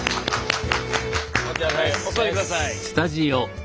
お座り下さい。